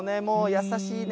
優しいわ。